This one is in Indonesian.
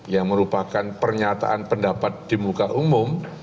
yang merupakan pernyataan pendapat di muka umum